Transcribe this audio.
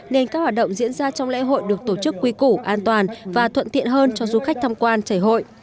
nên các hoạt động diễn ra trong lễ hội được tổ chức quy củ an toàn và thuận tiện hơn cho du khách tham quan chảy hội